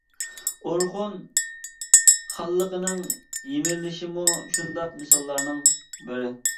ئورخۇن خانلىقىنىڭ يىمىرىلىشىمۇ شۇنداق مىساللارنىڭ بىرى.